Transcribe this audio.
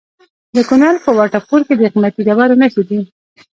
د کونړ په وټه پور کې د قیمتي ډبرو نښې دي.